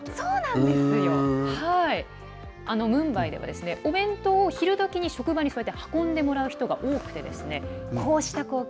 ムンバイでは、お弁当を昼どきに職場に運んでもらう人が多くてこうした光景